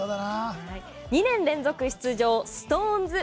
２年連続出場ＳｉｘＴＯＮＥＳ。